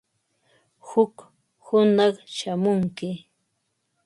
Huk hunaq shamunki.